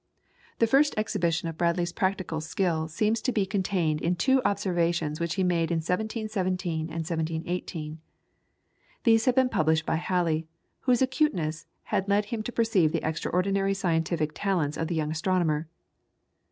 The first exhibition of Bradley's practical skill seems to be contained in two observations which he made in 1717 and 1718. They have been published by Halley, whose acuteness had led him to perceive the extraordinary scientific talents of the young astronomer.